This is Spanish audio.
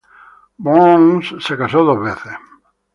Burns se casó dos veces.